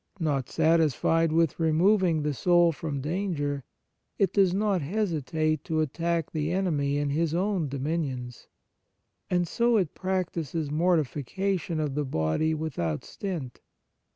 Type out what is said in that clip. Not satisfied with removing the soul from danger, it does not hesitate to attack the enemy in his own dominions. And so it practises mortification of the body without stint.